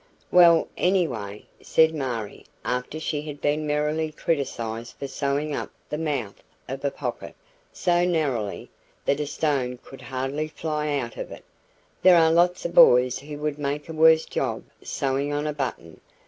"Well, anyway," said Marie after she had been merrily criticised for sewing up the "mouth" of a "pocket" so narrowly that a stone could hardly fly out of it; "there are lots of boys who would make a worse job sewing on a button.